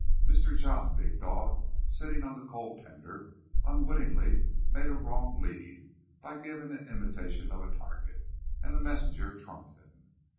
Mr. John Big Dog, sitting on the coal tender, unwittingly made a wrong lead by giving an imitation of a target, and the messenger trumped him.